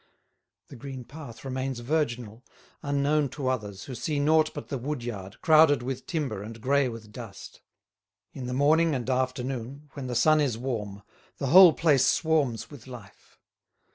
The green path remains virginal, unknown to others who see nought but the wood yard crowded with timber and grey with dust. In the morning and afternoon, when the sun is warm, the whole place swarms with life.